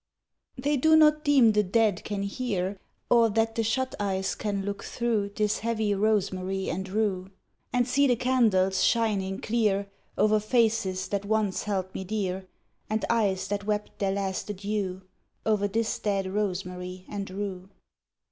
'TTHEY do not deem the dead can hear, ^ Or that the shut eyes can look through This heavy rosemary and rue, And see the candles shining clear O'er faces that once held me dear, And eyes that wept their last adieu O'er this dead rosemary and rue.